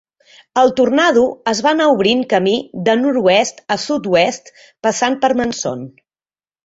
El tornado es va anar obrint camí de nord-oest a sud-est passant per Manson.